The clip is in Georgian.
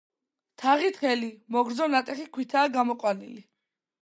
თაღი თხელი, მოგრძო ნატეხი ქვითაა გამოყვანილი.